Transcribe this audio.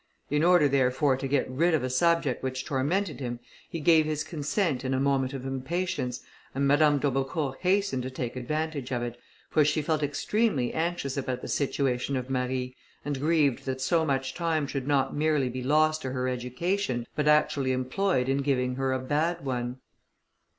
In order, therefore, to get rid of a subject which tormented him, he gave his consent in a moment of impatience, and Madame d'Aubecourt hastened to take advantage of it, for she felt extremely anxious about the situation of Marie, and grieved that so much time should not merely be lost to her education, but actually employed in giving her a bad one.